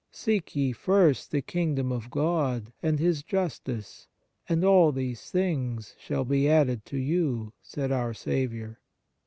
" Seek ye first the kingdom of God and His justice, and all these things shall be added to you," 1 said our Saviour.